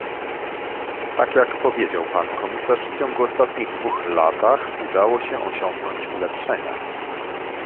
Tak jak powiedział pan komisarz w ciągu ostatnich dwóch latach udało się osiągnąć ulepszenia